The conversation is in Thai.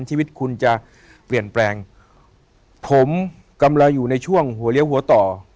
ชีวิตคุณจะเปลี่ยนแปลงผมกำลังอยู่ในช่วงหัวเลี้ยวหัวต่อ